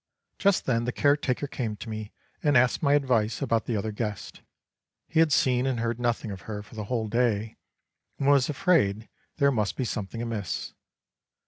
Just then the caretaker came to me and asked my advice about the other guest. He had seen and heard nothing of her for the whole day, and was afraid there must be something amiss.